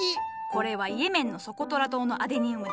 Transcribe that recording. これはイエメンのソコトラ島のアデニウムじゃ。